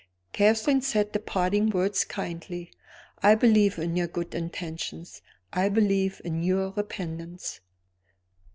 Catherine said the parting words kindly. "I believe in your good intentions; I believe in your repentance."